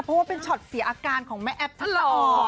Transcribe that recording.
เพราะว่าเป็นช็อตเสียอาการของแม่แอฟทัศออก